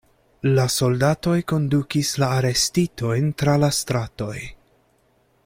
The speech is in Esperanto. La soldatoj kondukis la arestitojn tra la stratoj.